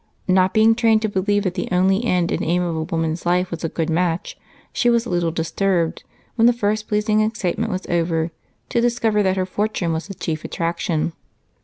Not being trained to believe that the only end and aim of a woman's life was a good match, she was a little disturbed, when the first pleasing excitement was over, to discover that her fortune was her chief attraction.